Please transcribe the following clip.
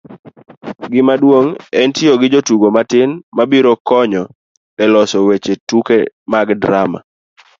gimaduong' en tiyo gi jotugo matin mabiro konyi e loso tuke mag drama